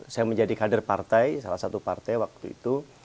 saya menjadi kader partai salah satu partai waktu itu